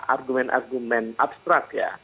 argumen argumen abstrak ya